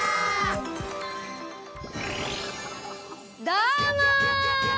どうも！